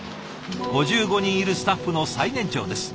５５人いるスタッフの最年長です。